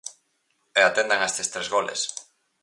E atendan a estes tres goles.